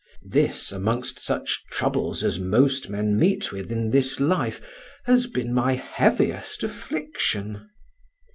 This, amongst such troubles as most men meet with in this life, has been my heaviest affliction.